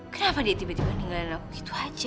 kenapa dia tiba tiba ninggalin aku begitu aja